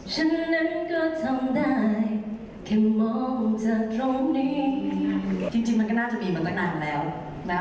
จริงมันก็น่าจะมีมาตั้งนานแล้วนะครับ